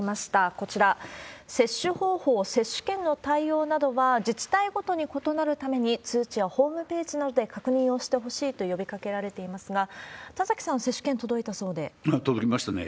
こちら、接種方法、接種券の対応などは、自治体ごとに異なるために、通知やホームページなどで確認をしてほしいと呼びかけられていますが、田崎さん、届きましたね。